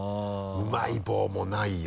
「うまい棒」もないよ。